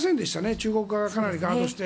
中国側がかなりガードして。